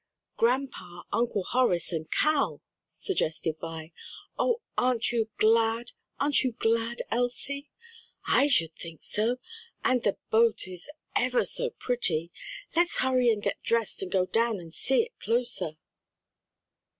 "Grandpa, Uncle Horace and Cal," suggested Vi. "Oh, aren't you glad? Aren't you glad, Elsie?" "I should think so! and the boat is ever so pretty. Let's hurry and get dressed and go down and see it closer."